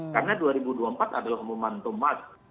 karena dua ribu dua puluh empat adalah umuman untuk mas